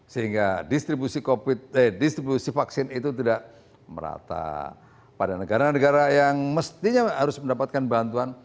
sehingga distribusi covid eh distribusi vaksin itu tidak merata pada negara negara yang mestinya harus mendapatkan vaksin